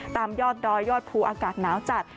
ตามยอดดอยยอดภูอากาศหนาวจัด